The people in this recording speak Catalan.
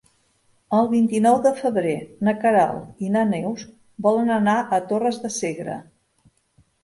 El vint-i-nou de febrer na Queralt i na Neus volen anar a Torres de Segre.